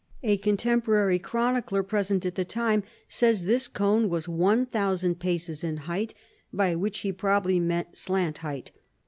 A contemporary chronicler, present at the time, says this cone was one thousand paces in height; by which he probably meant slant height.